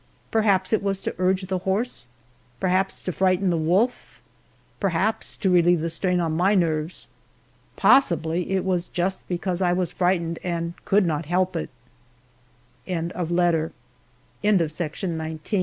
Perhaps it was to urge the horse perhaps to frighten the wolf perhaps to relieve the strain on my nerves. Possibly it was just because I was frightened and could not help it! FORT SHAW, MONTANA TERRITORY, May, 1888.